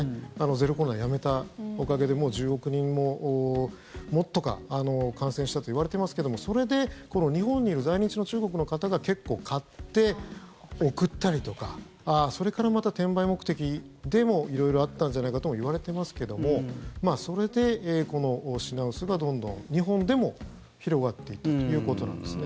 ゼロコロナやめたおかげでもう１０億人ももっとか、感染したといわれてますけどもそれで日本にいる在日の中国の方が結構買って送ったりとかそれから、また転売目的でも色々あったんじゃないかともいわれてますけどもそれで、この品薄がどんどん日本でも広がっていったということなんですね。